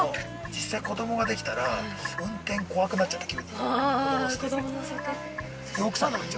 実際、子供ができたら、運転、怖くなっちゃって、急に。